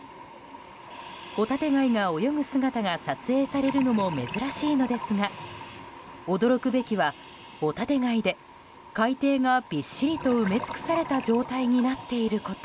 ホタテ貝が泳ぐ姿が撮影されるのも珍しいのですが驚くべきはホタテ貝で、海底がびっしりと埋め尽くされた状態になっていること。